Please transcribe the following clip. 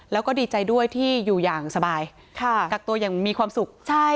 แล้วก็ดีใจด้วยที่อยู่อย่างสบายกักตัวอย่างมีความสุข